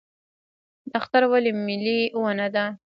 نښتر ولې ملي ونه ده؟